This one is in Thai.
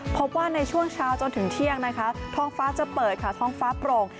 พบว่าในช่วงเช้าจนถึงเที่ยงนะคะท้องฟ้าจะเปิดค่ะท้องฟ้าโปร่ง